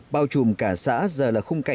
bào chùm cả xã giờ là khung cao